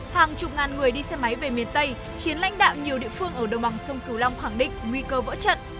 hàng chục ngàn người đi xe máy về miền tây khiến lãnh đạo nhiều địa phương ở đồng bằng sông cửu long khẳng định nguy cơ vỡ trận